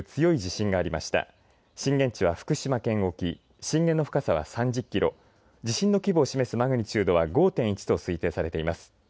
震源地は福島県沖、震源の深さは３０キロ、地震の規模を示すマグニチュードは５．１と推定されています。